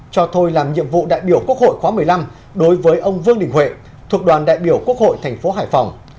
cho thôi làm nhiệm vụ đại biểu quốc hội khóa một mươi năm đối với ông vương đình huệ thuộc đoàn đại biểu quốc hội thành phố hải phòng